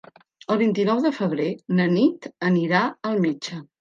El vint-i-nou de febrer na Nit anirà al metge.